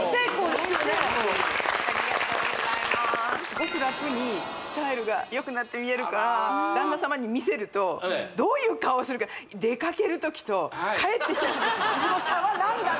すごく楽にスタイルがよくなって見えるから旦那様に見せるとどういう顔するか出かける時と帰ってきた時のこの差は何だ！？